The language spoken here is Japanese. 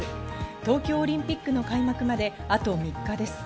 東京オリンピックの開幕まで、あと３日です。